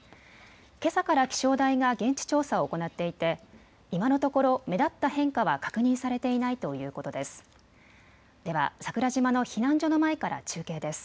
けさから気象台が現地調査を行っていて今のところ目立った変化は確認されていないということです。